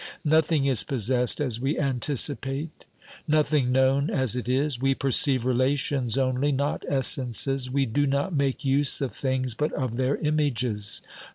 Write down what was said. Nothing is possessed as we anticipate, nothing known as it is. We perceive relations only, not essences. We do not make use of things, but of their images.